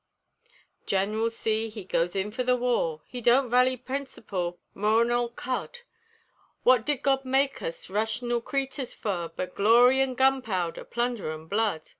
Gineral C. he goes in fer the war; He don't vally principle more'n an old cud; Wut did God make us raytional creeturs fer, But glory an' gunpowder, plunder an' blood?